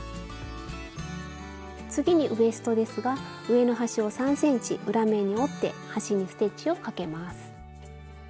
次にウエストですが上の端を３ｃｍ裏面に折って端にステッチをかけます。